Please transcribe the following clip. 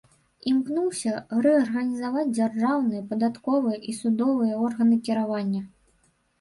Імкнуўся рэарганізаваць дзяржаўныя, падатковыя і судовыя органы кіравання.